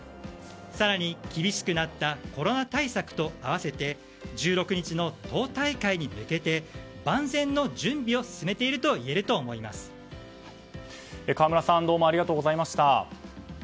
更に、厳しくなったコロナ対策と併せて１６日の党大会に向けて万全の準備を河村さんどうもありがとうございました。